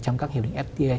trong các hiệu đình fta